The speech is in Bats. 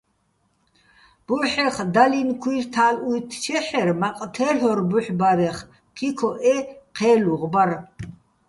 ბუჰ̦ეხ დალინო̆ ქუჲრთა́ლ უ́ჲთთჩეჰ̦ერ, მაყ თე́ლ'ორ ბუჰ̦ ბარეხ, ქიქოჸ ე ჴე́ლუღ ბარ.